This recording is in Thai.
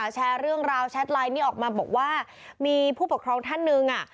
แชร์เรื่องราวแชทไลน์นี้ออกมาบอกว่ามีผู้ปกครองท่านหนึ่งอ่ะ